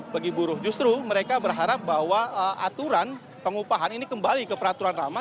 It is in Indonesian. bagi buruh justru mereka berharap bahwa aturan pengupahan ini kembali ke peraturan ramah